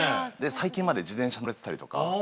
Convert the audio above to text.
最近まで自転車乗れてたりとか。